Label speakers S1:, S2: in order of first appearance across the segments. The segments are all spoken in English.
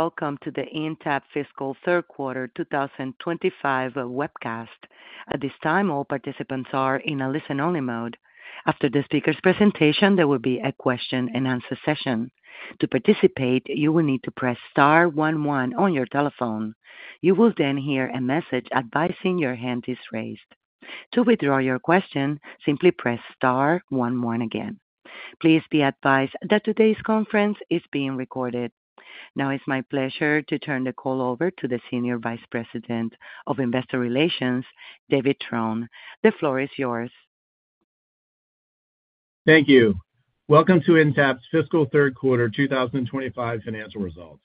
S1: Welcome to the Intapp Fiscal Third Quarter 2025 webcast. At this time, all participants are in a listen-only mode. After the speaker's presentation, there will be a question-and-answer session. To participate, you will need to press star 11 on your telephone. You will then hear a message advising your hand is raised. To withdraw your question, simply press star 11 again. Please be advised that today's conference is being recorded. Now, it's my pleasure to turn the call over to the Senior Vice President of Investor Relations, David Trone. The floor is yours.
S2: Thank you. Welcome to Intapp's Fiscal Third Quarter 2025 financial results.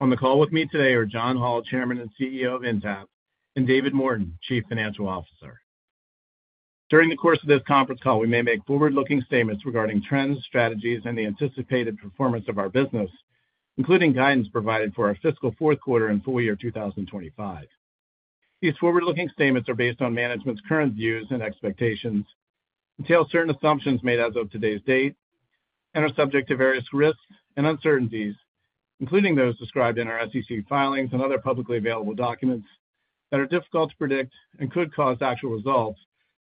S2: On the call with me today are John Hall, Chairman and CEO of Intapp, and David Morton, Chief Financial Officer. During the course of this conference call, we may make forward-looking statements regarding trends, strategies, and the anticipated performance of our business, including guidance provided for our fiscal fourth quarter and full year 2025. These forward-looking statements are based on management's current views and expectations, entail certain assumptions made as of today's date, and are subject to various risks and uncertainties, including those described in our SEC filings and other publicly available documents that are difficult to predict and could cause actual results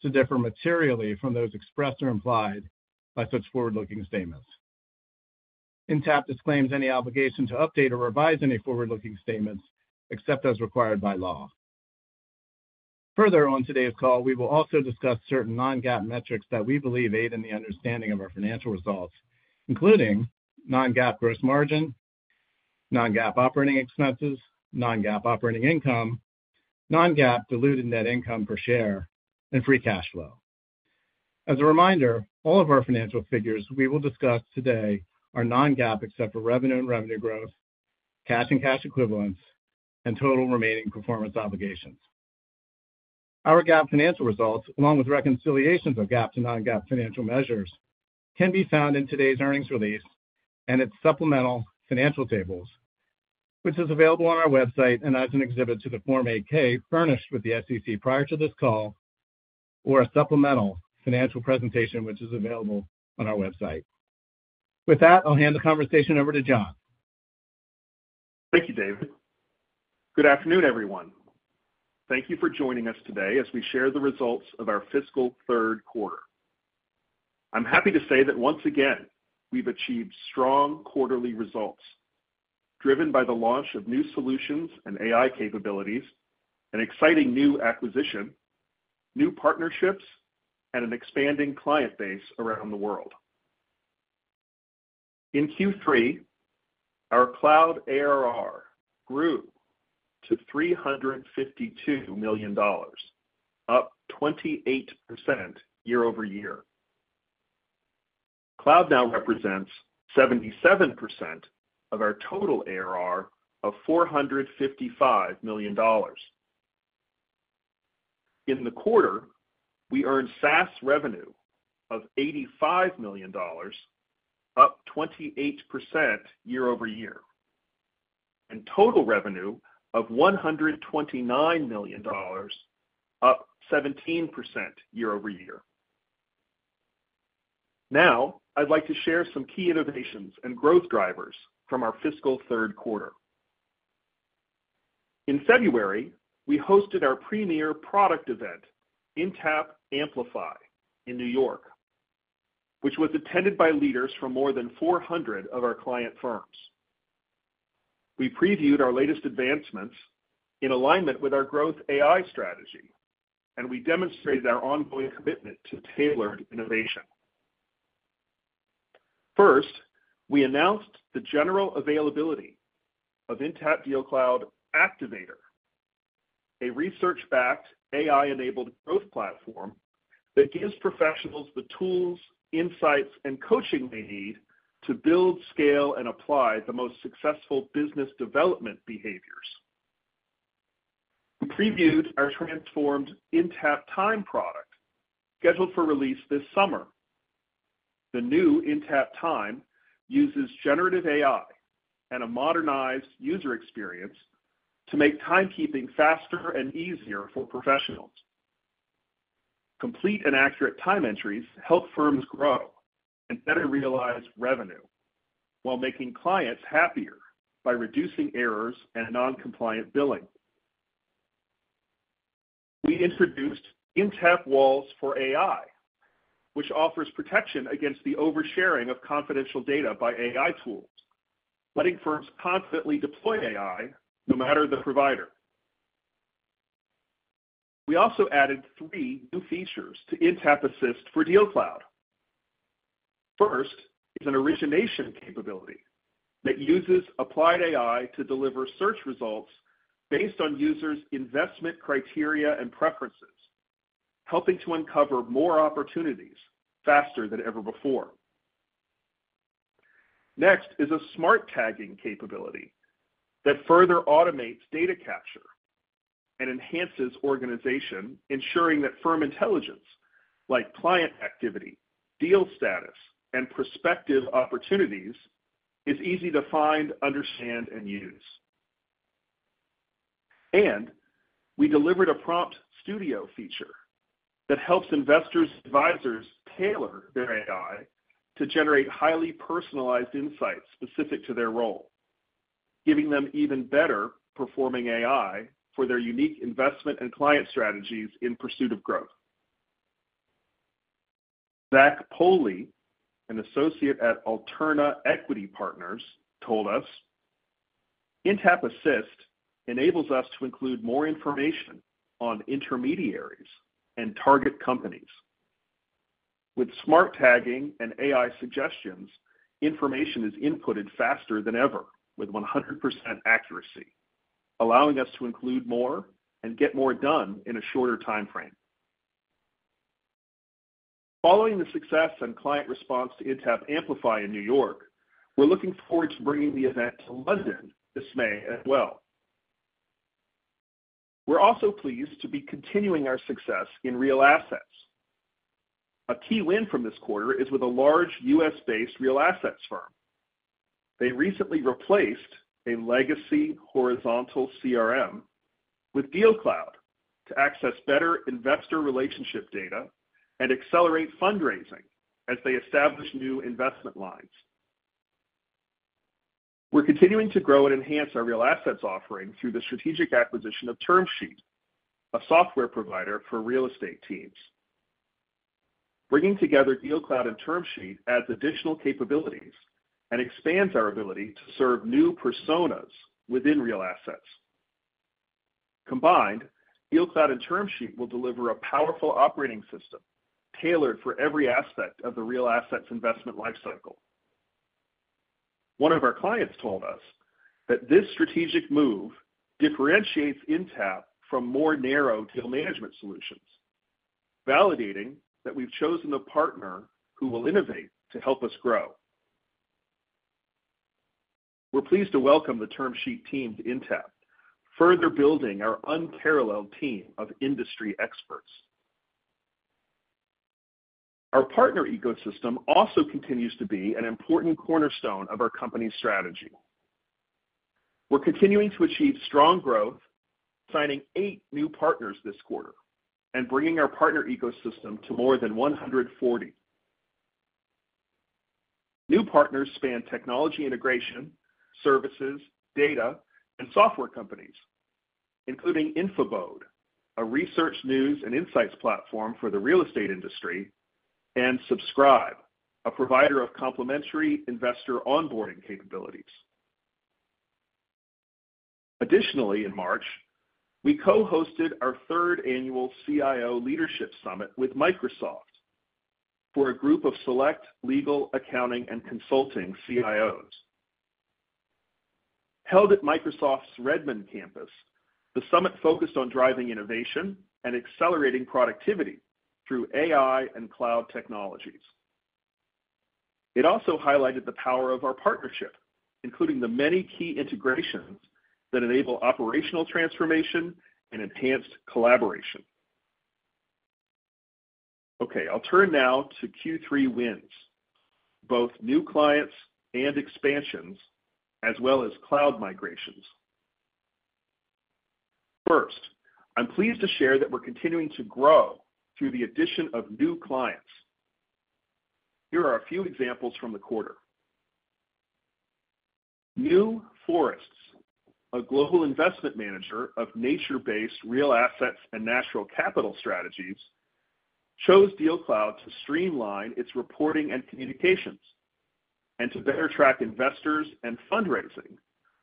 S2: to differ materially from those expressed or implied by such forward-looking statements. Intapp disclaims any obligation to update or revise any forward-looking statements except as required by law. Further, on today's call, we will also discuss certain non-GAAP metrics that we believe aid in the understanding of our financial results, including non-GAAP gross margin, non-GAAP operating expenses, non-GAAP operating income, non-GAAP diluted net income per share, and free cash flow. As a reminder, all of our financial figures we will discuss today are non-GAAP except for revenue and revenue growth, cash and cash equivalents, and total remaining performance obligations. Our GAAP financial results, along with reconciliations of GAAP to non-GAAP financial measures, can be found in today's earnings release and its supplemental financial tables, which are available on our website and as an exhibit to the Form 8-K furnished with the SEC prior to this call, or a supplemental financial presentation which is available on our website. With that, I'll hand the conversation over to John.
S3: Thank you, David. Good afternoon, everyone. Thank you for joining us today as we share the results of our fiscal third quarter. I'm happy to say that once again we've achieved strong quarterly results driven by the launch of new solutions and AI capabilities, an exciting new acquisition, new partnerships, and an expanding client base around the world. In Q3, our cloud ARR grew to $352 million, up 28% year over year. Cloud now represents 77% of our total ARR of $455 million. In the quarter, we earned SaaS revenue of $85 million, up 28% year over year, and total revenue of $129 million, up 17% year over year. Now, I'd like to share some key innovations and growth drivers from our fiscal third quarter. In February, we hosted our premier product event, Intapp Amplify, in New York, which was attended by leaders from more than 400 of our client firms. We previewed our latest advancements in alignment with our growth AI strategy, and we demonstrated our ongoing commitment to tailored innovation. First, we announced the general availability of Intapp GeoCloud Activator, a research-backed, AI-enabled growth platform that gives professionals the tools, insights, and coaching they need to build, scale, and apply the most successful business development behaviors. We previewed our transformed Intapp Time product scheduled for release this summer. The new Intapp Time uses generative AI and a modernized user experience to make timekeeping faster and easier for professionals. Complete and accurate time entries help firms grow and better realize revenue while making clients happier by reducing errors and non-compliant billing. We introduced Intapp Walls for AI, which offers protection against the oversharing of confidential data by AI tools, letting firms confidently deploy AI no matter the provider. We also added three new features to Intapp Assist for GeoCloud. First is an origination capability that uses applied AI to deliver search results based on users' investment criteria and preferences, helping to uncover more opportunities faster than ever before. Next is a smart tagging capability that further automates data capture and enhances organization, ensuring that firm intelligence like client activity, deal status, and prospective opportunities is easy to find, understand, and use. We delivered a prompt studio feature that helps investors' advisors tailor their AI to generate highly personalized insights specific to their role, giving them even better performing AI for their unique investment and client strategies in pursuit of growth. Zach Poli, an associate at Alterna Equity Partners, told us, "Intapp Assist enables us to include more information on intermediaries and target companies. With smart tagging and AI suggestions, information is inputted faster than ever with 100% accuracy, allowing us to include more and get more done in a shorter timeframe." Following the success and client response to Intapp Amplify in New York, we are looking forward to bringing the event to London this May as well. We are also pleased to be continuing our success in real assets. A key win from this quarter is with a large U.S.-based real assets firm. They recently replaced a legacy horizontal CRM with GeoCloud to access better investor relationship data and accelerate fundraising as they establish new investment lines. We are continuing to grow and enhance our real assets offering through the strategic acquisition of TermSheet, a software provider for real estate teams. Bringing together GeoCloud and TermSheet adds additional capabilities and expands our ability to serve new personas within real assets. Combined, GeoCloud and TermSheet will deliver a powerful operating system tailored for every aspect of the real assets investment lifecycle. One of our clients told us that this strategic move differentiates Intapp from more narrow deal management solutions, validating that we've chosen a partner who will innovate to help us grow. We're pleased to welcome the TermSheet team to Intapp, further building our unparalleled team of industry experts. Our partner ecosystem also continues to be an important cornerstone of our company's strategy. We're continuing to achieve strong growth, signing eight new partners this quarter and bringing our partner ecosystem to more than 140. New partners span technology integration, services, data, and software companies, including Infobode, a research, news, and insights platform for the real estate industry, and Subscribe, a provider of complementary investor onboarding capabilities. Additionally, in March, we co-hosted our third annual CIO Leadership Summit with Microsoft for a group of select legal, accounting, and consulting CIOs. Held at Microsoft's Redmond campus, the summit focused on driving innovation and accelerating productivity through AI and cloud technologies. It also highlighted the power of our partnership, including the many key integrations that enable operational transformation and enhanced collaboration. Okay, I'll turn now to Q3 wins, both new clients and expansions, as well as cloud migrations. First, I'm pleased to share that we're continuing to grow through the addition of new clients. Here are a few examples from the quarter. New Forests, a global investment manager of nature-based real assets and natural capital strategies, chose GeoCloud to streamline its reporting and communications and to better track investors and fundraising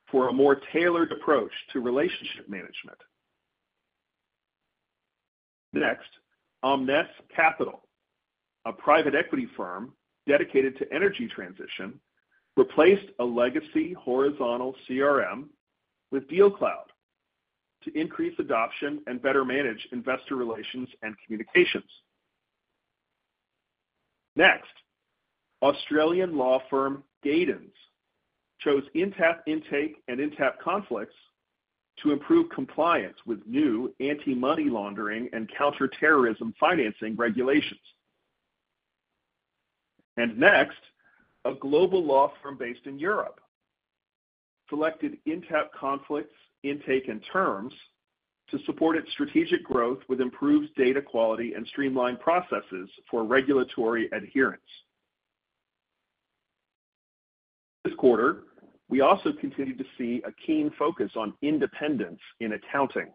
S3: for a more tailored approach to relationship management. Next, Omnes Capital, a private equity firm dedicated to energy transition, replaced a legacy horizontal CRM with GeoCloud to increase adoption and better manage investor relations and communications. Next, Australian law firm Gatens chose Intapp Intake and Intapp Conflicts to improve compliance with new anti-money laundering and counter-terrorism financing regulations. Next, a global law firm based in Europe selected Intapp Conflicts, Intake, and Terms to support its strategic growth with improved data quality and streamlined processes for regulatory adherence. This quarter, we also continue to see a keen focus on independence in accounting,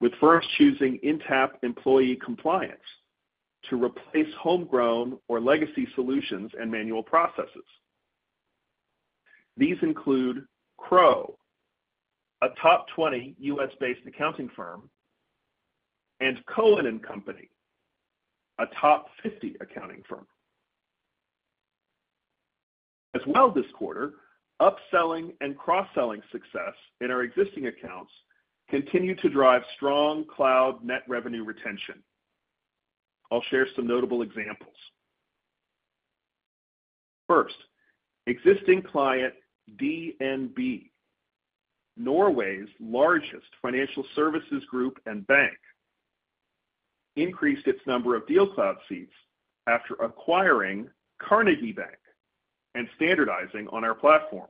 S3: with firms choosing Intapp Employee Compliance to replace homegrown or legacy solutions and manual processes. These include Crow, a top 20 U.S.-based accounting firm, and Cohen & Company, a top 50 accounting firm. As well this quarter, upselling and cross-selling success in our existing accounts continue to drive strong cloud net revenue retention. I'll share some notable examples. First, existing client DNB, Norway's largest financial services group and bank, increased its number of GeoCloud seats after acquiring Carnegie Bank and standardizing on our platform.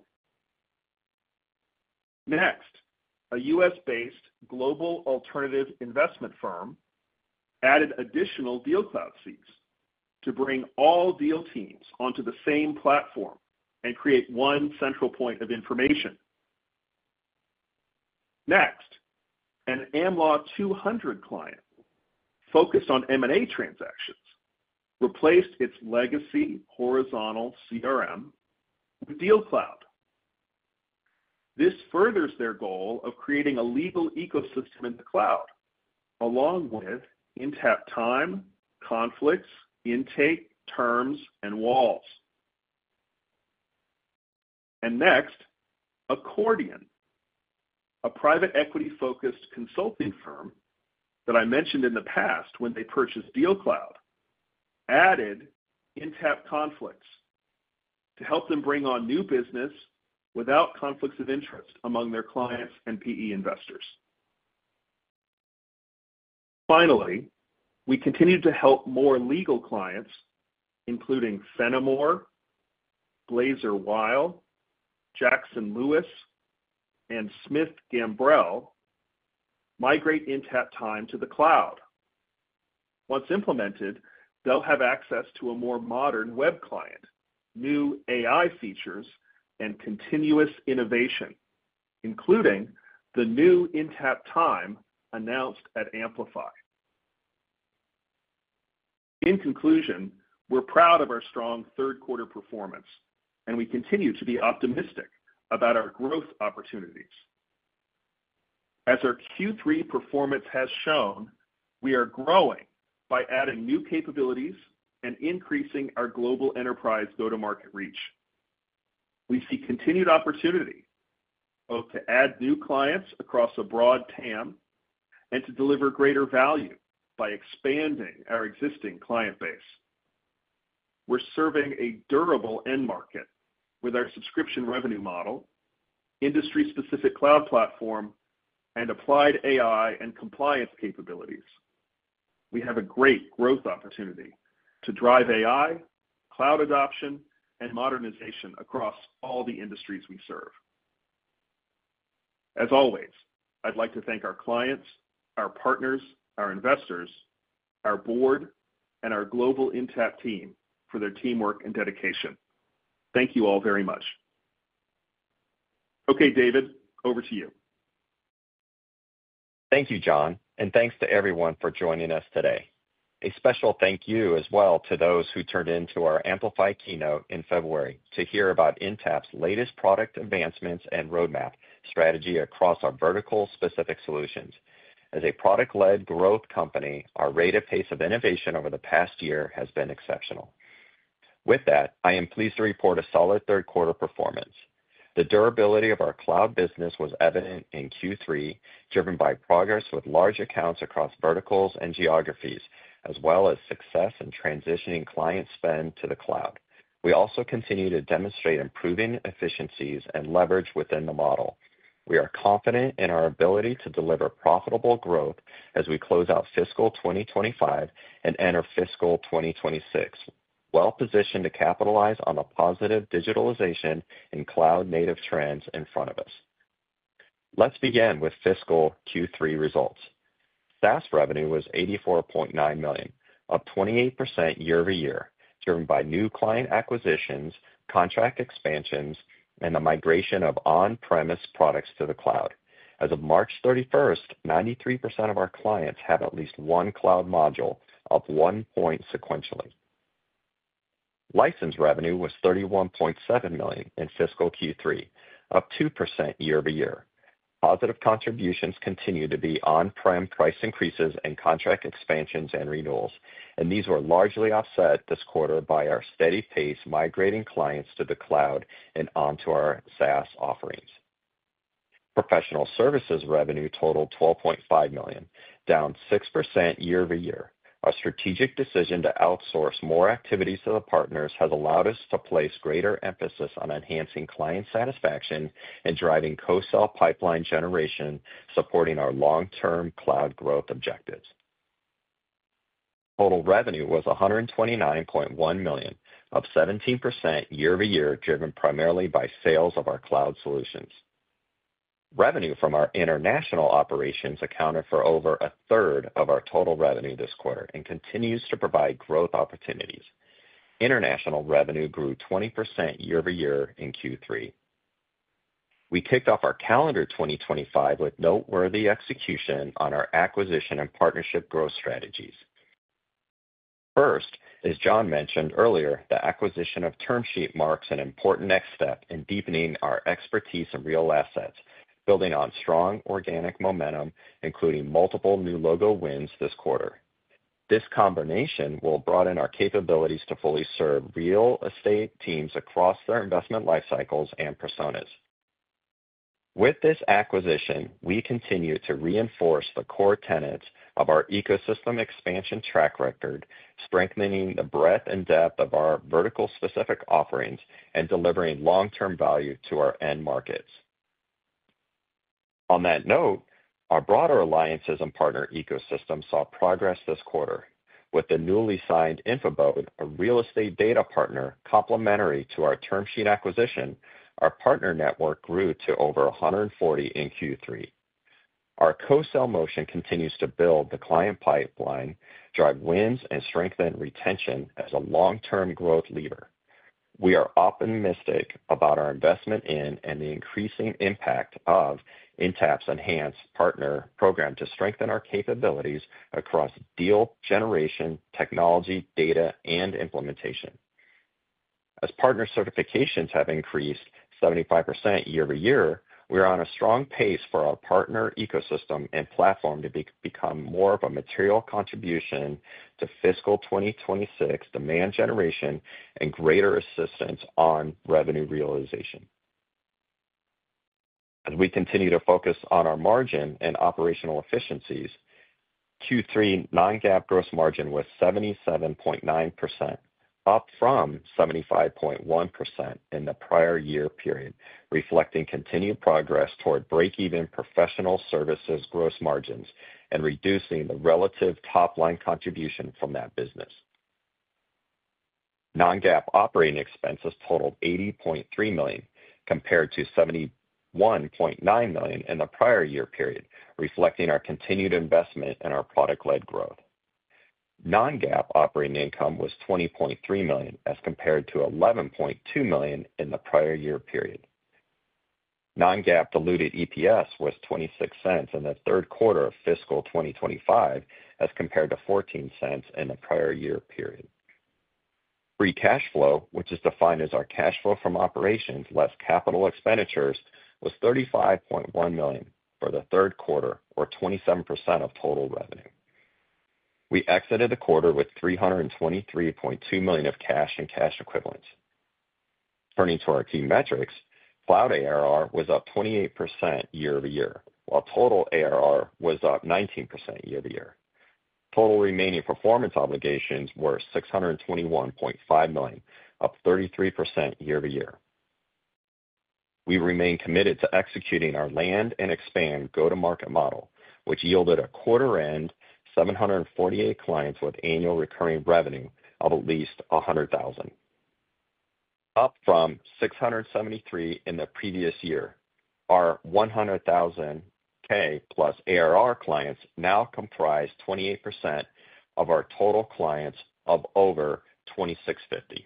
S3: Next, a U.S.-based global alternative investment firm added additional GeoCloud seats to bring all deal teams onto the same platform and create one central point of information. Next, an AmLaw 200 client focused on M&A transactions replaced its legacy horizontal CRM with GeoCloud. This furthers their goal of creating a legal ecosystem in the cloud along with Intapp Time, Conflicts, Intake, Terms, and Walls. Next, Accordion, a private equity-focused consulting firm that I mentioned in the past when they purchased GeoCloud, added Intapp Conflicts to help them bring on new business without conflicts of interest among their clients and PE investors. Finally, we continue to help more legal clients, including Phenamore, Blazer Weil, Jackson Lewis, and Smith Gambrell, migrate Intapp Time to the cloud. Once implemented, they'll have access to a more modern web client, new AI features, and continuous innovation, including the new Intapp Time announced at Amplify. In conclusion, we're proud of our strong third quarter performance, and we continue to be optimistic about our growth opportunities. As our Q3 performance has shown, we are growing by adding new capabilities and increasing our global enterprise go-to-market reach. We see continued opportunity both to add new clients across a broad TAM and to deliver greater value by expanding our existing client base. We're serving a durable end market with our subscription revenue model, industry-specific cloud platform, and applied AI and compliance capabilities. We have a great growth opportunity to drive AI, cloud adoption, and modernization across all the industries we serve. As always, I'd like to thank our clients, our partners, our investors, our board, and our global Intapp team for their teamwork and dedication. Thank you all very much. Okay, David, over to you.
S2: Thank you, John, and thanks to everyone for joining us today. A special thank you as well to those who tuned into our Amplify keynote in February to hear about Intapp's latest product advancements and roadmap strategy across our vertical-specific solutions. As a product-led growth company, our rate of pace of innovation over the past year has been exceptional. With that, I am pleased to report a solid third quarter performance. The durability of our cloud business was evident in Q3, driven by progress with large accounts across verticals and geographies, as well as success in transitioning client spend to the cloud. We also continue to demonstrate improving efficiencies and leverage within the model. We are confident in our ability to deliver profitable growth as we close out fiscal 2025 and enter fiscal 2026, well-positioned to capitalize on the positive digitalization and cloud-native trends in front of us. Let's begin with fiscal Q3 results. SaaS revenue was $84.9 million, up 28% year-over-year, driven by new client acquisitions, contract expansions, and the migration of on-premise products to the cloud. As of March 31, 93% of our clients have at least one cloud module, up one percentage point sequentially. License revenue was $31.7 million in fiscal Q3, up 2% year-over-year. Positive contributions continue to be on-prem price increases and contract expansions and renewals, and these were largely offset this quarter by our steady pace migrating clients to the cloud and onto our SaaS offerings. Professional services revenue totaled $12.5 million, down 6% year-over-year. Our strategic decision to outsource more activities to the partners has allowed us to place greater emphasis on enhancing client satisfaction and driving co-sell pipeline generation, supporting our long-term cloud growth objectives. Total revenue was $129.1 million, up 17% year-over-year, driven primarily by sales of our cloud solutions. Revenue from our international operations accounted for over a third of our total revenue this quarter and continues to provide growth opportunities. International revenue grew 20% year-over-year in Q3. We kicked off our calendar 2025 with noteworthy execution on our acquisition and partnership growth strategies. First, as John mentioned earlier, the acquisition of TermSheet marks an important next step in deepening our expertise in real assets, building on strong organic momentum, including multiple new logo wins this quarter. This combination will broaden our capabilities to fully serve real estate teams across their investment lifecycles and personas. With this acquisition, we continue to reinforce the core tenets of our ecosystem expansion track record, strengthening the breadth and depth of our vertical-specific offerings and delivering long-term value to our end markets. On that note, our broader alliances and partner ecosystems saw progress this quarter. With the newly signed Infabode, a real estate data partner complementary to our TermSheet acquisition, our partner network grew to over 140 in Q3. Our co-sell motion continues to build the client pipeline, drive wins, and strengthen retention as a long-term growth leader. We are optimistic about our investment in and the increasing impact of Intapp's Enhance Partner Program to strengthen our capabilities across deal generation, technology, data, and implementation. As partner certifications have increased 75% year-over-year, we're on a strong pace for our partner ecosystem and platform to become more of a material contribution to fiscal 2026 demand generation and greater assistance on revenue realization. As we continue to focus on our margin and operational efficiencies, Q3 non-GAAP gross margin was 77.9%, up from 75.1% in the prior year period, reflecting continued progress toward break-even professional services gross margins and reducing the relative top-line contribution from that business. Non-GAAP operating expenses totaled $80.3 million compared to $71.9 million in the prior year period, reflecting our continued investment and our product-led growth. Non-GAAP operating income was $20.3 million as compared to $11.2 million in the prior year period. Non-GAAP diluted EPS was $0.26 in the third quarter of fiscal 2025 as compared to $0.14 in the prior year period. Free cash flow, which is defined as our cash flow from operations less capital expenditures, was $35.1 million for the third quarter, or 27% of total revenue. We exited the quarter with $323.2 million of cash and cash equivalents. Turning to our key metrics, cloud ARR was up 28% year-over-year, while total ARR was up 19% year-over-year. Total remaining performance obligations were $621.5 million, up 33% year-over-year. We remain committed to executing our land and expand go-to-market model, which yielded a quarter-end 748 clients with annual recurring revenue of at least $100,000. Up from 673 in the previous year, our $100,000-plus ARR clients now comprise 28% of our total clients of over 2,650.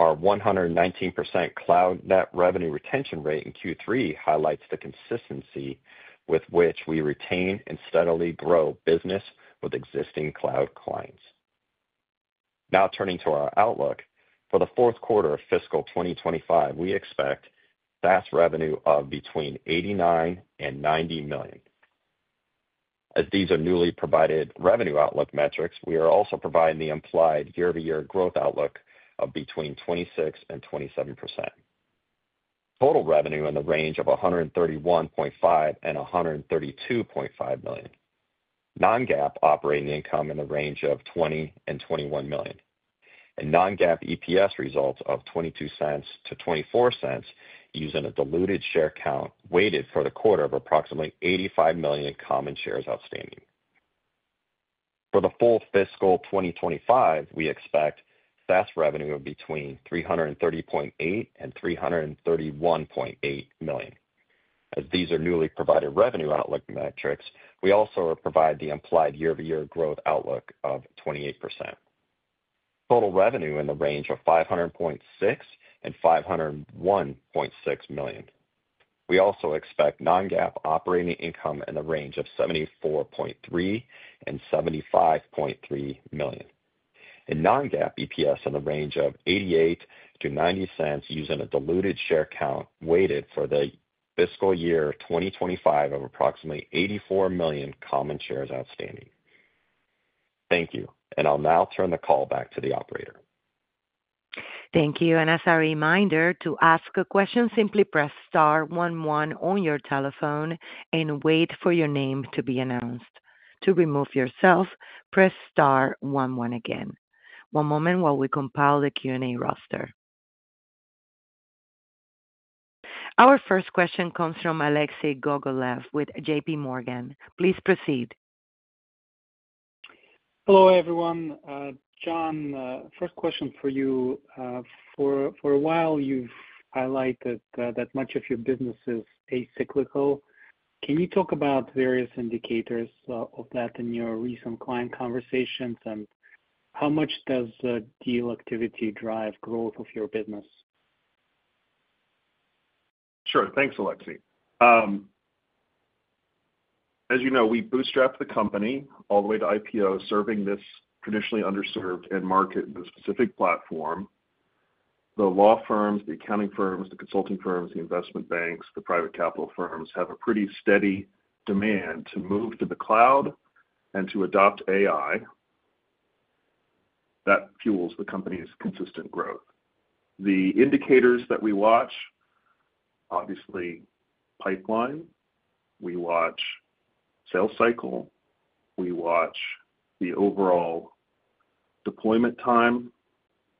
S2: Our 119% cloud net revenue retention rate in Q3 highlights the consistency with which we retain and steadily grow business with existing cloud clients. Now turning to our outlook for the fourth quarter of fiscal 2025, we expect SaaS revenue of between $89 million and $90 million. As these are newly provided revenue outlook metrics, we are also providing the implied year-over-year growth outlook of between 26% and 27%. Total revenue in the range of $131.5 million-$132.5 million. Non-GAAP operating income in the range of $20 million-$21 million. Non-GAAP EPS results of $0.22-$0.24 using a diluted share count weighted for the quarter of approximately 85 million common shares outstanding. For the full fiscal 2025, we expect SaaS revenue of $330.8 million-$331.8 million. As these are newly provided revenue outlook metrics, we also provide the implied year-over-year growth outlook of 28%. Total revenue in the range of $500.6 million-$501.6 million. We also expect non-GAAP operating income in the range of $74.3 million-$75.3 million. Non-GAAP EPS in the range of $0.88-$0.90 using a diluted share count weighted for the fiscal year 2025 of approximately 84 million common shares outstanding. Thank you, and I'll now turn the call back to the operator.
S1: Thank you, and as a reminder, to ask a question, simply press star one one on your telephone and wait for your name to be announced. To remove yourself, press star one one again. One moment while we compile the Q&A roster. Our first question comes from Alexei Gogolev with J.P. Morgan. Please proceed.
S4: Hello, everyone. John, first question for you. For a while, you've highlighted that much of your business is acyclical. Can you talk about various indicators of that in your recent client conversations, and how much does deal activity drive growth of your business?
S3: Sure. Thanks, Alexei. As you know, we bootstrapped the company all the way to IPO, serving this traditionally underserved end market with a specific platform. The law firms, the accounting firms, the consulting firms, the investment banks, the private capital firms have a pretty steady demand to move to the cloud and to adopt AI that fuels the company's consistent growth. The indicators that we watch, obviously pipeline. We watch sales cycle. We watch the overall deployment time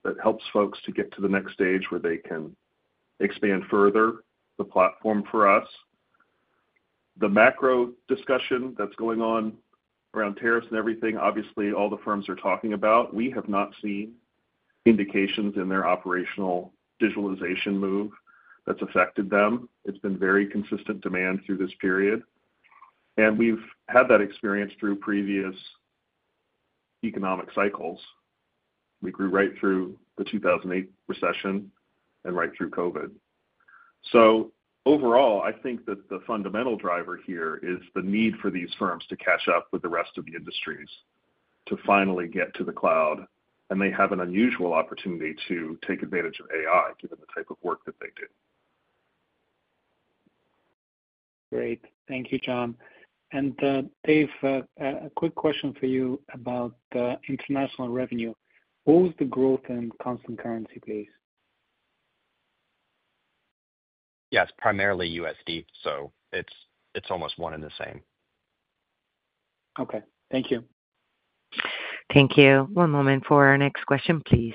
S3: that helps folks to get to the next stage where they can expand further the platform for us. The macro discussion that's going on around tariffs and everything, obviously all the firms are talking about. We have not seen indications in their operational digitalization move that's affected them. It's been very consistent demand through this period. We've had that experience through previous economic cycles. We grew right through the 2008 recession and right through COVID. Overall, I think that the fundamental driver here is the need for these firms to catch up with the rest of the industries to finally get to the cloud. They have an unusual opportunity to take advantage of AI given the type of work that they do.
S4: Great. Thank you, John. Dave, a quick question for you about the international revenue. What was the growth in constant currency, please?
S2: Yes, primarily USD. So it's almost one and the same.
S4: Okay. Thank you.
S1: Thank you. One moment for our next question, please.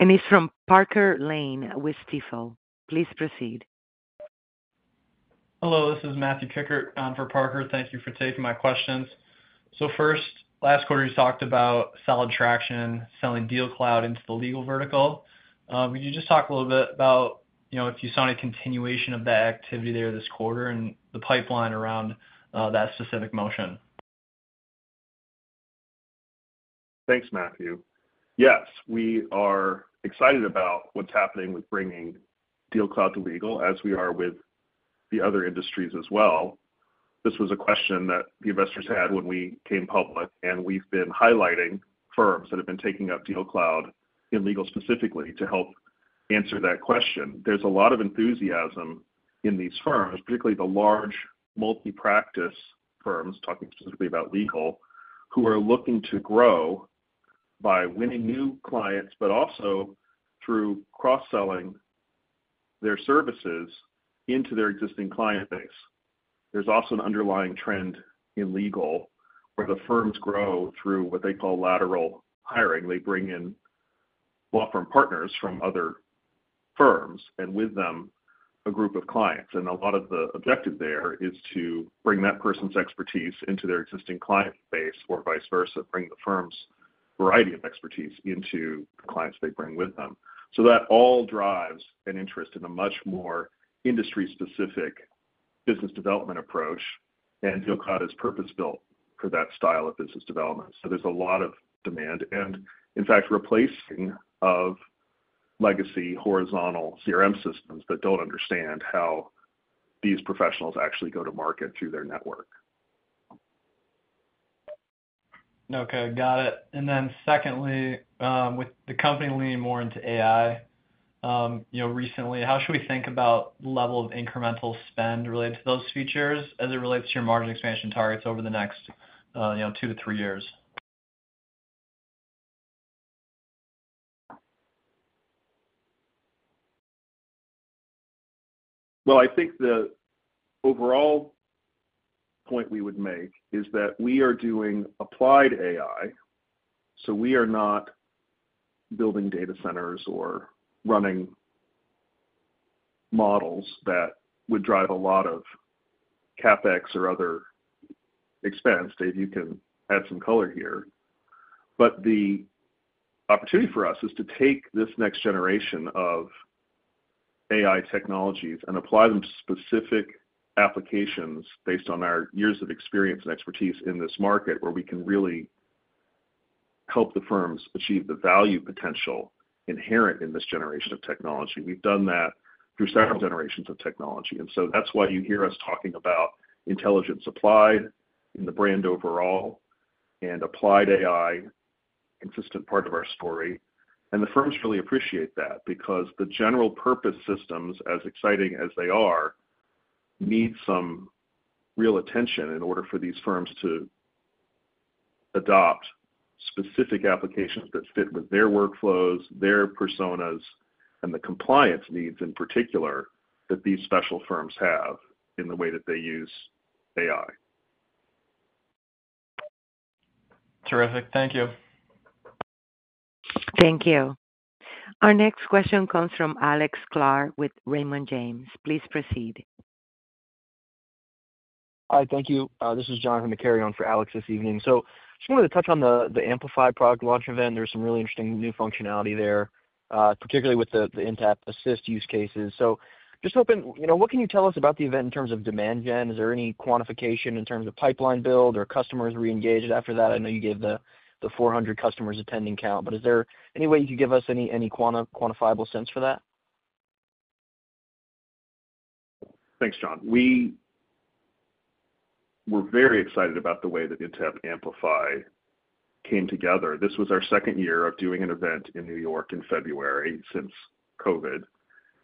S1: It is from Parker Lane with Stifel. Please proceed.
S5: Hello, this is Matthew Kickert for Parker. Thank you for taking my questions. First, last quarter, you talked about solid traction, selling DealCloud into the legal vertical. Could you just talk a little bit about if you saw any continuation of that activity there this quarter and the pipeline around that specific motion?
S3: Thanks, Matthew. Yes, we are excited about what's happening with bringing DealCloud to legal, as we are with the other industries as well. This was a question that the investors had when we came public, and we've been highlighting firms that have been taking up DealCloud in legal specifically to help answer that question. There's a lot of enthusiasm in these firms, particularly the large multi-practice firms, talking specifically about legal, who are looking to grow by winning new clients, but also through cross-selling their services into their existing client base. There's also an underlying trend in legal where the firms grow through what they call lateral hiring. They bring in law firm partners from other firms and with them a group of clients. A lot of the objective there is to bring that person's expertise into their existing client base or vice versa, bring the firm's variety of expertise into the clients they bring with them. That all drives an interest in a much more industry-specific business development approach, and DealCloud is purpose-built for that style of business development. There is a lot of demand and, in fact, replacing of legacy horizontal CRM systems that do not understand how these professionals actually go to market through their network.
S5: Okay. Got it. Secondly, with the company leaning more into AI recently, how should we think about the level of incremental spend related to those features as it relates to your margin expansion targets over the next two to three years?
S3: I think the overall point we would make is that we are doing applied AI, so we are not building data centers or running models that would drive a lot of CapEx or other expense. Dave, you can add some color here. The opportunity for us is to take this next generation of AI technologies and apply them to specific applications based on our years of experience and expertise in this market where we can really help the firms achieve the value potential inherent in this generation of technology. We have done that through several generations of technology. That is why you hear us talking about intelligent supply in the brand overall and applied AI, consistent part of our story. The firms really appreciate that because the general purpose systems, as exciting as they are, need some real attention in order for these firms to adopt specific applications that fit with their workflows, their personas, and the compliance needs in particular that these special firms have in the way that they use AI.
S6: Terrific. Thank you.
S1: Thank you. Our next question comes from Alex Clare with Raymond James. Please proceed. Hi, thank you. This is John from the carry-on for Alex this evening. Just wanted to touch on the Amplify product launch event. There was some really interesting new functionality there, particularly with the Intapp Assist use cases. Just hoping, what can you tell us about the event in terms of demand gen? Is there any quantification in terms of pipeline build or customers re-engaged after that? I know you gave the 400 customers attending count, but is there any way you could give us any quantifiable sense for that?
S3: Thanks, John. We were very excited about the way that Intapp Amplify came together. This was our second year of doing an event in New York in February since COVID,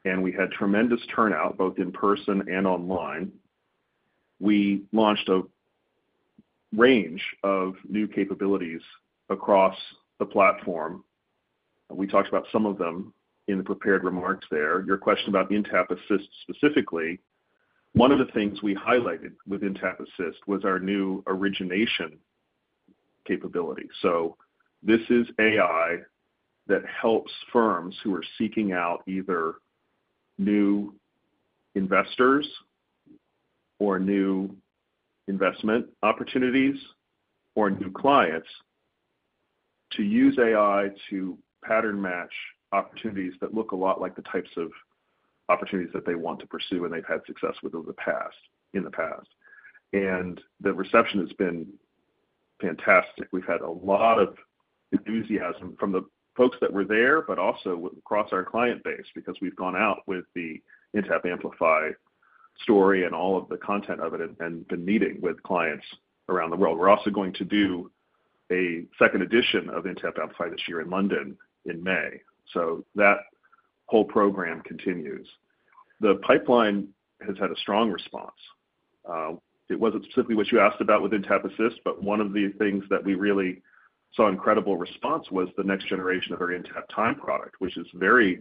S3: and we had tremendous turnout both in person and online. We launched a range of new capabilities across the platform. We talked about some of them in the prepared remarks there. Your question about Intapp Assist specifically, one of the things we highlighted with Intapp Assist was our new origination capability. This is AI that helps firms who are seeking out either new investors or new investment opportunities or new clients to use AI to pattern match opportunities that look a lot like the types of opportunities that they want to pursue and they've had success with in the past. The reception has been fantastic. We've had a lot of enthusiasm from the folks that were there, but also across our client base because we've gone out with the Intapp Amplify story and all of the content of it and been meeting with clients around the world. We're also going to do a second edition of Intapp Amplify this year in London in May. That whole program continues. The pipeline has had a strong response. It wasn't specifically what you asked about with Intapp Assist, but one of the things that we really saw incredible response was the next generation of our Intapp Time product, which is very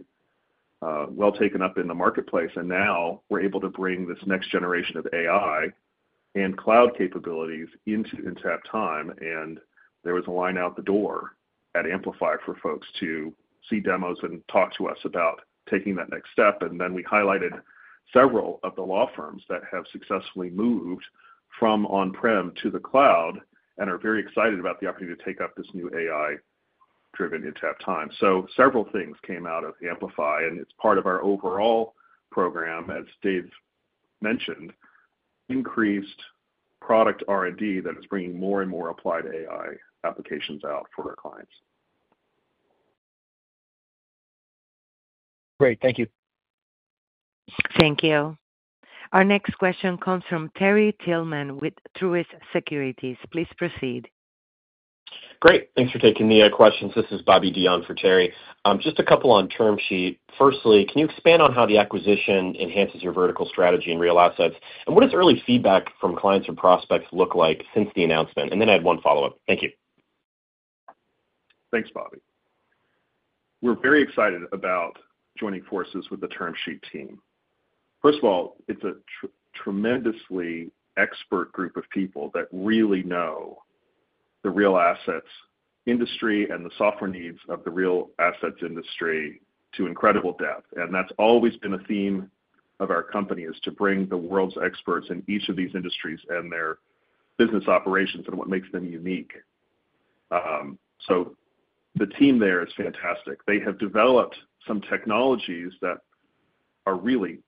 S3: well taken up in the marketplace. Now we're able to bring this next generation of AI and cloud capabilities into Intapp Time. There was a line out the door at Amplify for folks to see demos and talk to us about taking that next step. We highlighted several of the law firms that have successfully moved from on-prem to the cloud and are very excited about the opportunity to take up this new AI-driven Intapp Time. Several things came out of Amplify, and it is part of our overall program, as Dave mentioned, increased product R&D that is bringing more and more applied AI applications out for our clients. Great. Thank you.
S1: Thank you. Our next question comes from Terry Tilman with Truist Securities. Please proceed.
S7: Great. Thanks for taking the questions. This is Bobby Dion for Terry. Just a couple on TermSheet. Firstly, can you expand on how the acquisition enhances your vertical strategy and real assets? What does early feedback from clients and prospects look like since the announcement? I had one follow-up. Thank you.
S3: Thanks, Bobby. We're very excited about joining forces with the TermSheet team. First of all, it's a tremendously expert group of people that really know the real assets industry and the software needs of the real assets industry to incredible depth. That has always been a theme of our company, to bring the world's experts in each of these industries and their business operations and what makes them unique. The team there is fantastic. They have developed some technologies that are really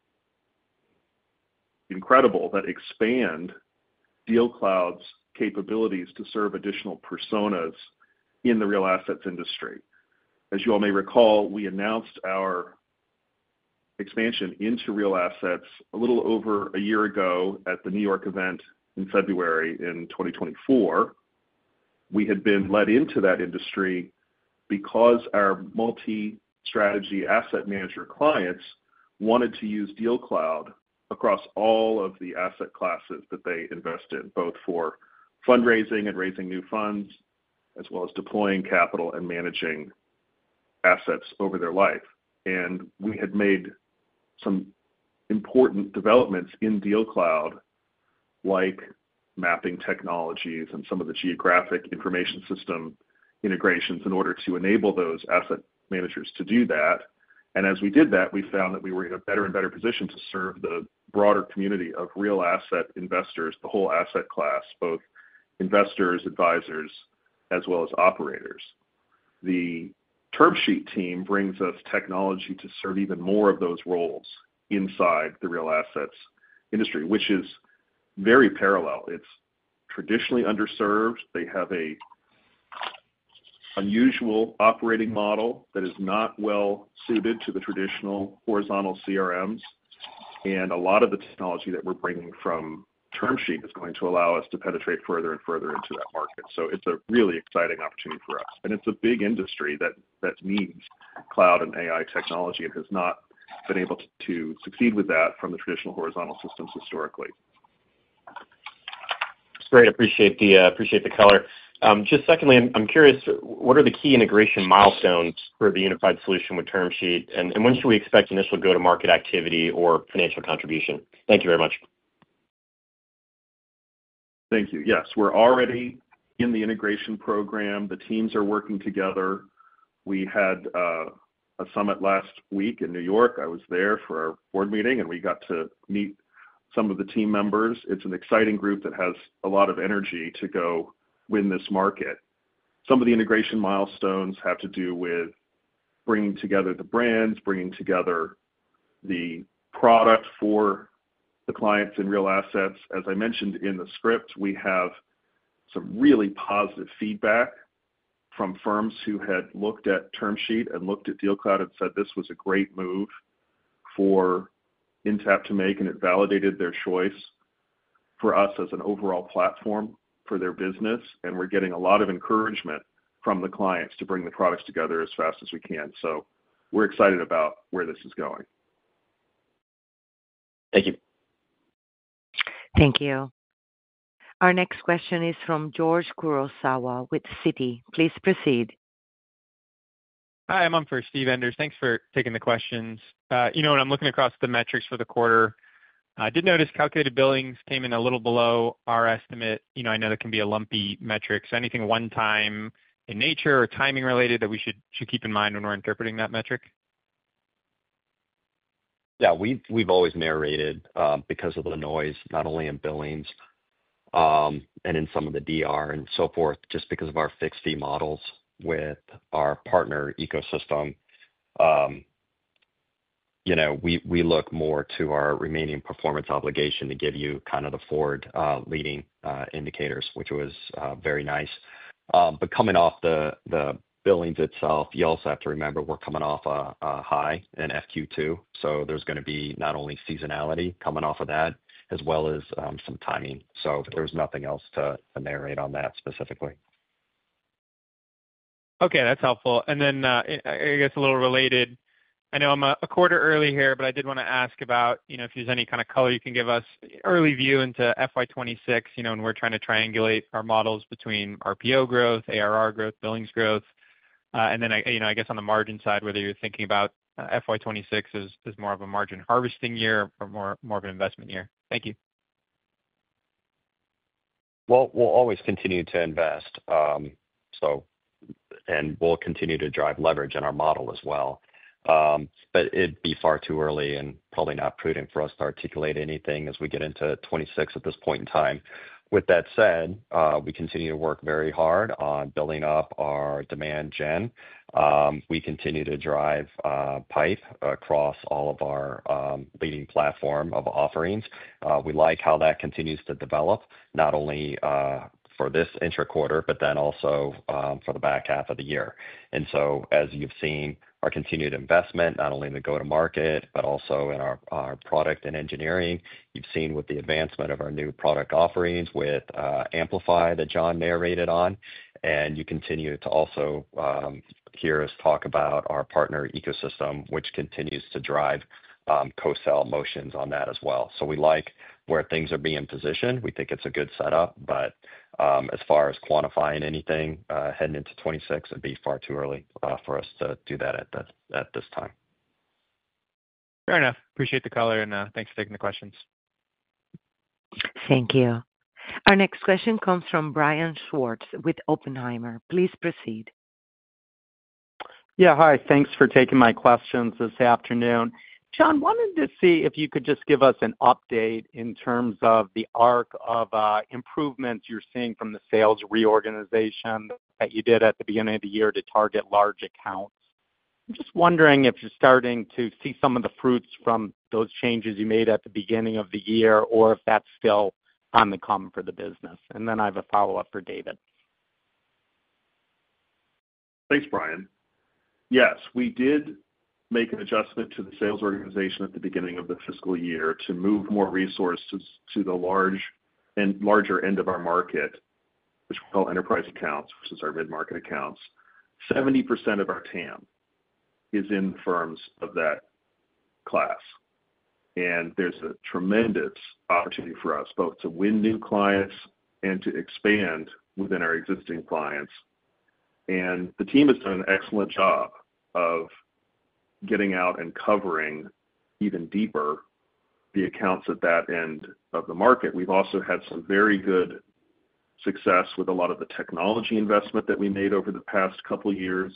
S3: incredible that expand DealCloud's capabilities to serve additional personas in the real assets industry. As you all may recall, we announced our expansion into real assets a little over a year ago at the New York event in February in 2024. We had been led into that industry because our multi-strategy asset manager clients wanted to use DealCloud across all of the asset classes that they invest in, both for fundraising and raising new funds, as well as deploying capital and managing assets over their life. We had made some important developments in DealCloud, like mapping technologies and some of the geographic information system integrations in order to enable those asset managers to do that. As we did that, we found that we were in a better and better position to serve the broader community of real asset investors, the whole asset class, both investors, advisors, as well as operators. The TermSheet team brings us technology to serve even more of those roles inside the real assets industry, which is very parallel. It is traditionally underserved. They have an unusual operating model that is not well suited to the traditional horizontal CRMs. A lot of the technology that we're bringing from TermSheet is going to allow us to penetrate further and further into that market. It is a really exciting opportunity for us. It is a big industry that needs cloud and AI technology and has not been able to succeed with that from the traditional horizontal systems historically.
S7: Great. Appreciate the color. Just secondly, I'm curious, what are the key integration milestones for the unified solution with TermSheet? And when should we expect initial go-to-market activity or financial contribution? Thank you very much.
S3: Thank you. Yes, we're already in the integration program. The teams are working together. We had a summit last week in New York. I was there for our board meeting, and we got to meet some of the team members. It's an exciting group that has a lot of energy to go win this market. Some of the integration milestones have to do with bringing together the brands, bringing together the product for the clients in real assets. As I mentioned in the script, we have some really positive feedback from firms who had looked at TermSheet and looked at DealCloud and said, "This was a great move for Intapp to make," and it validated their choice for us as an overall platform for their business. We are getting a lot of encouragement from the clients to bring the products together as fast as we can. We're excited about where this is going.
S7: Thank you.
S1: Thank you. Our next question is from George Kurosawa with Citi. Please proceed.
S8: Hi, I'm up for Steve Enders. Thanks for taking the questions. You know what? I'm looking across the metrics for the quarter. I did notice calculated billings came in a little below our estimate. I know that can be a lumpy metric. So anything one-time in nature or timing related that we should keep in mind when we're interpreting that metric?
S2: Yeah, we've always narrated because of the noise, not only in billings and in some of the DR and so forth, just because of our fixed fee models with our partner ecosystem. We look more to our remaining performance obligation to give you kind of the forward-leaning indicators, which was very nice. Coming off the billings itself, you also have to remember we're coming off a high in FQ2. There's going to be not only seasonality coming off of that, as well as some timing. There was nothing else to narrate on that specifically.
S8: Okay. That's helpful. I guess a little related, I know I'm a quarter early here, but I did want to ask about if there's any kind of color you can give us, early view into FY2026 when we're trying to triangulate our models between RPO growth, ARR growth, billings growth. I guess on the margin side, whether you're thinking about FY2026 as more of a margin harvesting year or more of an investment year. Thank you.
S2: We will always continue to invest. We will continue to drive leverage in our model as well. It would be far too early and probably not prudent for us to articulate anything as we get into 2026 at this point in time. With that said, we continue to work very hard on building up our demand gen. We continue to drive pipe across all of our leading platform of offerings. We like how that continues to develop, not only for this intra-quarter, but also for the back half of the year. As you have seen our continued investment, not only in the go-to-market, but also in our product and engineering, you have seen with the advancement of our new product offerings with Amplify that John narrated on. You continue to also hear us talk about our partner ecosystem, which continues to drive co-sell motions on that as well. We like where things are being positioned. We think it's a good setup. As far as quantifying anything heading into 2026, it'd be far too early for us to do that at this time.
S8: Fair enough. Appreciate the color and thanks for taking the questions.
S1: Thank you. Our next question comes from Brian Schwartz with Oppenheimer. Please proceed.
S9: Yeah, hi. Thanks for taking my questions this afternoon. John, wanted to see if you could just give us an update in terms of the arc of improvements you're seeing from the sales reorganization that you did at the beginning of the year to target large accounts. I'm just wondering if you're starting to see some of the fruits from those changes you made at the beginning of the year or if that's still on the come for the business. I have a follow-up for David.
S3: Thanks, Brian. Yes, we did make an adjustment to the sales organization at the beginning of the fiscal year to move more resources to the larger end of our market, which we call enterprise accounts, which is our mid-market accounts. 70% of our TAM is in firms of that class. There is a tremendous opportunity for us both to win new clients and to expand within our existing clients. The team has done an excellent job of getting out and covering even deeper the accounts at that end of the market. We have also had some very good success with a lot of the technology investment that we made over the past couple of years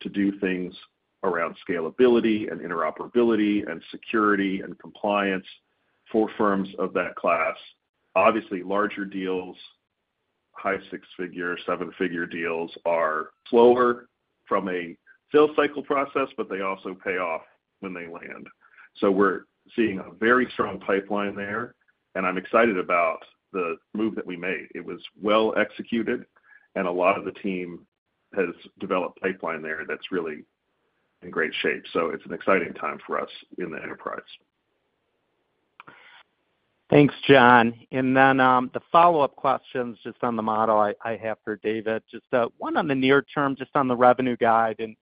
S3: to do things around scalability and interoperability and security and compliance for firms of that class. Obviously, larger deals, high six-figure, seven-figure deals are slower from a sales cycle process, but they also pay off when they land. We are seeing a very strong pipeline there. I am excited about the move that we made. It was well executed, and a lot of the team has developed pipeline there that is really in great shape. It is an exciting time for us in the enterprise.
S9: Thanks, John. Then the follow-up questions just on the model I have for David. Just one on the near term, just on the revenue guide in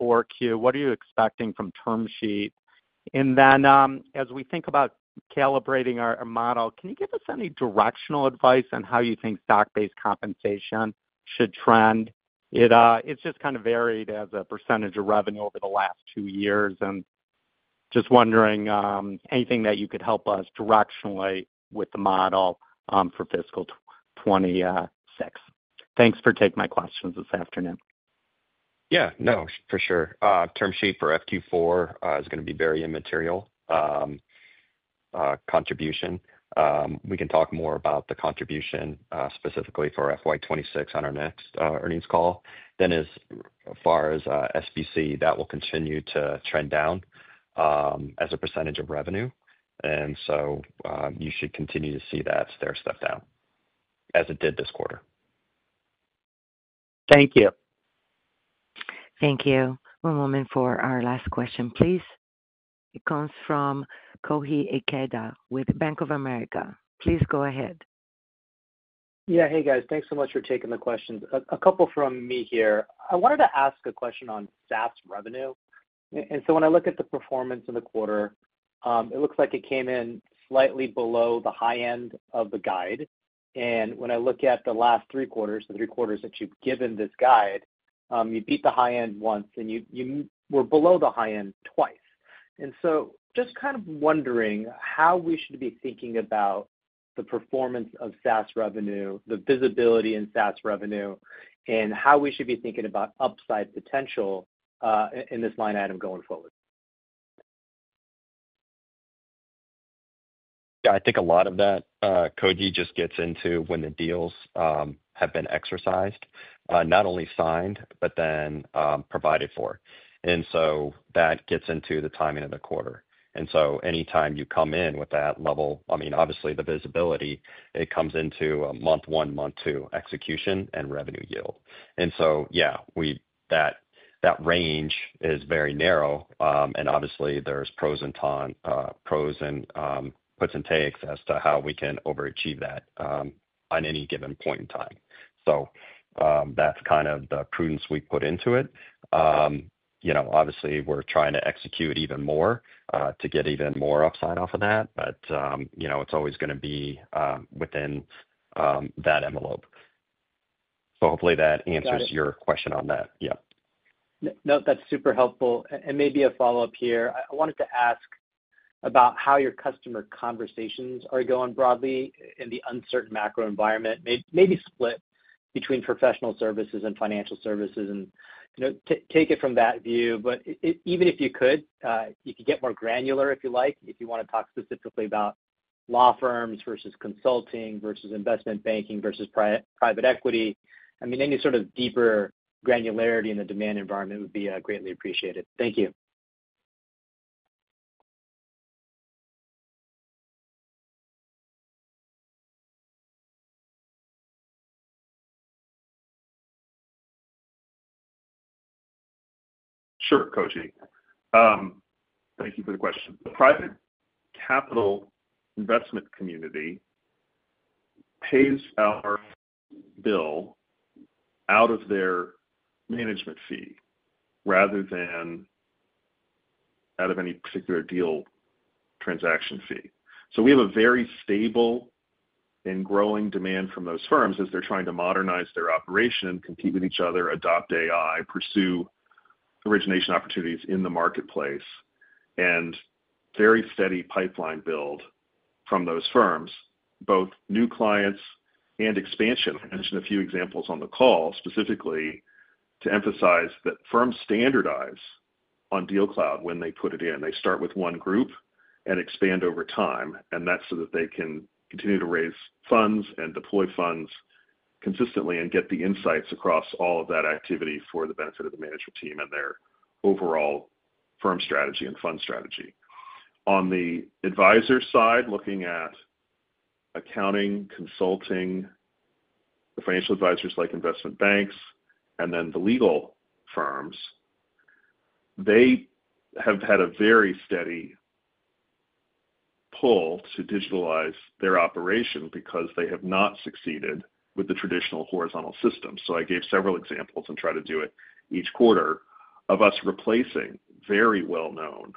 S9: 4Q, what are you expecting from TermSheet? Then as we think about calibrating our model, can you give us any directional advice on how you think stock-based compensation should trend? It's just kind of varied as a percentage of revenue over the last two years. Just wondering, anything that you could help us directionally with the model for fiscal 2026? Thanks for taking my questions this afternoon.
S2: Yeah, no, for sure. TermSheet for Q4 is going to be very immaterial contribution. We can talk more about the contribution specifically for fiscal year 2026 on our next earnings call. As far as SBC, that will continue to trend down as a percentage of revenue. You should continue to see that stair step down as it did this quarter.
S9: Thank you.
S1: Thank you. One moment for our last question, please. It comes from Koji Ikeda with Bank of America. Please go ahead.
S10: Yeah, hey, guys. Thanks so much for taking the questions. A couple from me here. I wanted to ask a question on SaaS revenue. And so when I look at the performance in the quarter, it looks like it came in slightly below the high end of the guide. And when I look at the last three quarters, the three quarters that you've given this guide, you beat the high end once, and you were below the high end twice. And so just kind of wondering how we should be thinking about the performance of SaaS revenue, the visibility in SaaS revenue, and how we should be thinking about upside potential in this line item going forward.
S2: Yeah, I think a lot of that, Kohi, just gets into when the deals have been exercised, not only signed, but then provided for. That gets into the timing of the quarter. Anytime you come in with that level, I mean, obviously, the visibility, it comes into month one, month two execution and revenue yield. That range is very narrow. Obviously, there's pros and cons, pros and puts and takes as to how we can overachieve that on any given point in time. That's kind of the prudence we put into it. Obviously, we're trying to execute even more to get even more upside off of that. It's always going to be within that envelope. Hopefully that answers your question on that. Yeah.
S10: No, that's super helpful. Maybe a follow-up here. I wanted to ask about how your customer conversations are going broadly in the uncertain macro environment, maybe split between professional services and financial services, and take it from that view. Even if you could, you could get more granular if you like, if you want to talk specifically about law firms versus consulting versus investment banking versus private equity. I mean, any sort of deeper granularity in the demand environment would be greatly appreciated. Thank you.
S3: Sure, Kohi. Thank you for the question. The private capital investment community pays our bill out of their management fee rather than out of any particular deal transaction fee. We have a very stable and growing demand from those firms as they're trying to modernize their operation, compete with each other, adopt AI, pursue origination opportunities in the marketplace, and very steady pipeline build from those firms, both new clients and expansion. I mentioned a few examples on the call specifically to emphasize that firms standardize on DealCloud when they put it in. They start with one group and expand over time. That is so that they can continue to raise funds and deploy funds consistently and get the insights across all of that activity for the benefit of the management team and their overall firm strategy and fund strategy. On the advisor side, looking at accounting, consulting, the financial advisors like investment banks, and then the legal firms, they have had a very steady pull to digitalize their operation because they have not succeeded with the traditional horizontal system. I gave several examples and try to do it each quarter of us replacing very well-known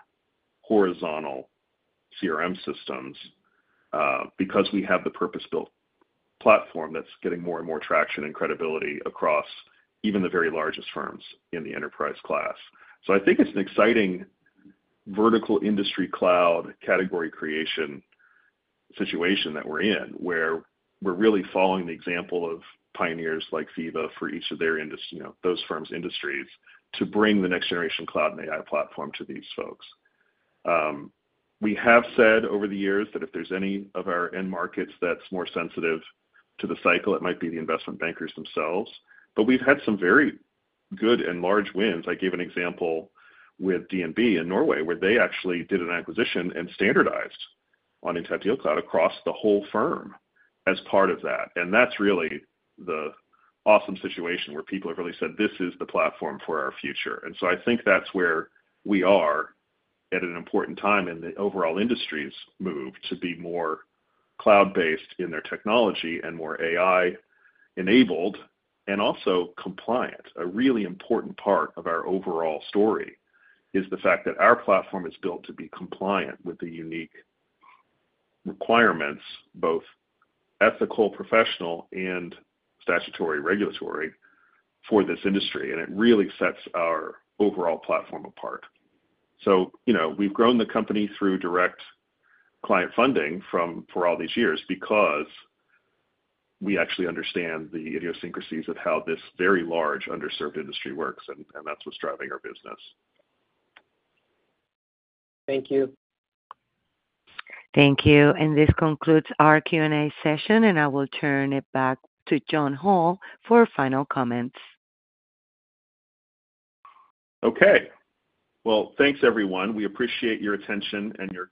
S3: horizontal CRM systems because we have the purpose-built platform that's getting more and more traction and credibility across even the very largest firms in the enterprise class. I think it's an exciting vertical industry cloud category creation situation that we're in where we're really following the example of pioneers like Seva for each of those firms' industries to bring the next generation cloud and AI platform to these folks. We have said over the years that if there's any of our end markets that's more sensitive to the cycle, it might be the investment bankers themselves. We have had some very good and large wins. I gave an example with DNB in Norway where they actually did an acquisition and standardized on Intapp DealCloud across the whole firm as part of that. That is really the awesome situation where people have really said, "This is the platform for our future." I think that is where we are at an important time in the overall industry's move to be more cloud-based in their technology and more AI-enabled and also compliant. A really important part of our overall story is the fact that our platform is built to be compliant with the unique requirements, both ethical, professional, and statutory regulatory for this industry. It really sets our overall platform apart. We have grown the company through direct client funding for all these years because we actually understand the idiosyncrasies of how this very large underserved industry works. That is what is driving our business.
S10: Thank you.
S1: Thank you. This concludes our Q&A session. I will turn it back to John Hall for final comments.
S3: Okay. Thanks, everyone. We appreciate your attention and your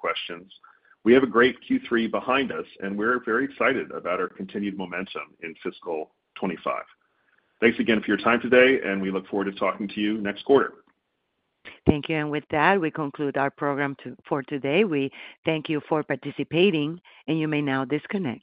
S3: questions. We have a great Q3 behind us, and we're very excited about our continued momentum in fiscal 2025. Thanks again for your time today, and we look forward to talking to you next quarter.
S1: Thank you. With that, we conclude our program for today. We thank you for participating, and you may now disconnect.